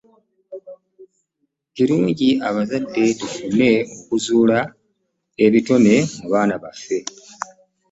Kirungi abazadde tufube okuzuula ebitone mu baana baffe.